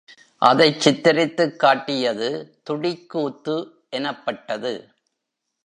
அதைச் சித்திரித்துக் காட்டியது துடிக்கூத்து எனப்பட்டது.